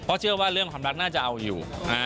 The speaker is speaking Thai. เพราะเชื่อว่าเรื่องความรักน่าจะเอาอยู่